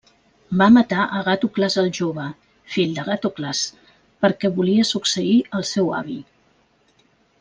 Va matar a Agàtocles el jove, fill d'Agàtocles, perquè volia succeir al seu avi.